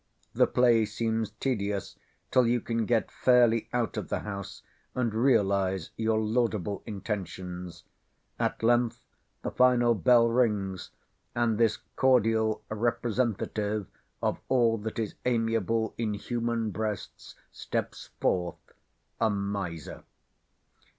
The play seems tedious, till you can get fairly out of the house, and realise your laudable intentions. At length the final bell rings, and this cordial representative of all that is amiable in human breasts steps forth—a miser.